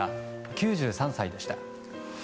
９３歳でした。